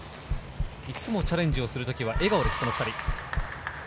いつもチャレンジをする時は笑顔です、この２人。